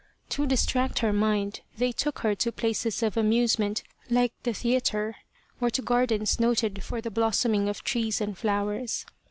To distract her mind they took her to places of amusement like the theatre, or to gardens noted for the blossoming of trees and flowers.